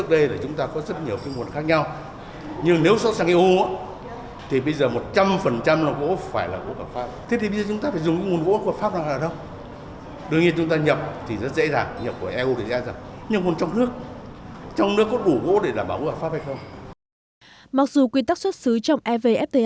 trong evfta cho các doanh nghiệp các doanh nghiệp đáp ứng quy tắc xuất xứ trong evfta cho các doanh nghiệp